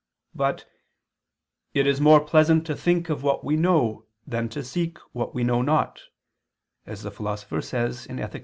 But "it is more pleasant to think of what we know, than to seek what we know not," as the Philosopher says (Ethic.